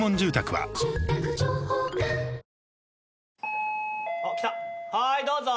はいどうぞ。